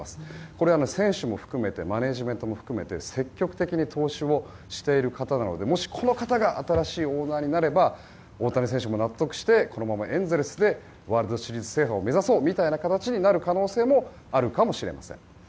これは選手マネージメントも含めて積極的に投資をしている方なのでもしこの方が新しいオーナーになれば大谷選手も納得してこのままエンゼルスでワールドシリーズ制覇を目指そうみたいな形になる可能性もあるかもしれません。